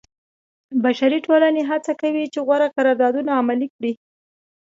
بشري ټولنې هڅه کوي چې غوره قراردادونه عملي کړي.